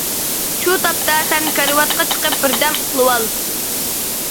شۇ تاپتا سەن كارىۋاتقا چىقىپ بىردەم ئۇخلىۋال.